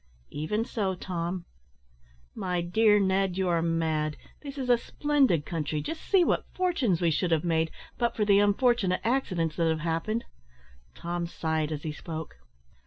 "Even so, Tom." "My dear Ned, you are mad! This is a splendid country. Just see what fortunes we should have made, but for the unfortunate accidents that have happened!" Tom sighed as he spoke.